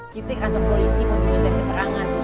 kita ke kantor polisi mau diminta keterangan tuh